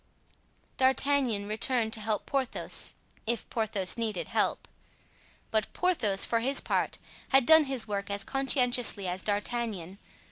D'Artagnan returned to help Porthos, if Porthos needed help; but Porthos, for his part, had done his work as conscientiously as D'Artagnan.